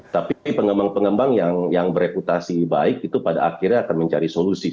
tapi pengembang pengembang yang bereputasi baik itu pada akhirnya akan mencari solusi